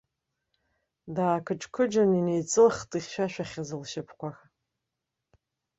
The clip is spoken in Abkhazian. Даақыџь-қыџьын инеиҵылхт ихьшәашәахьаз лшьапқәа.